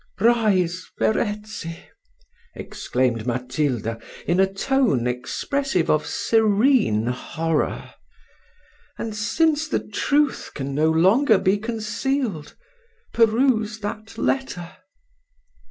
"Rise, Verezzi," exclaimed Matilda, in a tone expressive of serene horror: "and since the truth can no longer be concealed, peruse that letter."